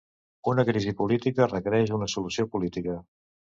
Una crisi política requereix una solució política.